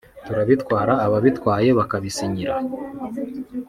turabitwara ababitwaye bakabisinyira